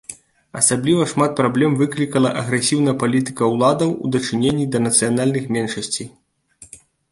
Асабліва шмат праблем выклікала агрэсіўная палітыка ўладаў у дачыненні да нацыянальных меншасцей.